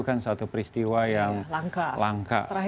kan satu peristiwa yang